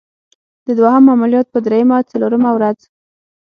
د دوهم عملیات په دریمه څلورمه ورځ.